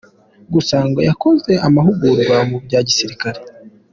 Gusa ngo yanakoze amahugurwa mu bya gisirikare.